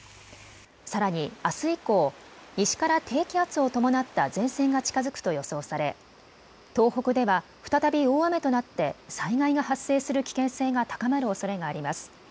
さらにあす以降、西から低気圧を伴った前線が近づくと予想され東北では再び大雨となって災害が発生する危険性が高まるおそれがあります。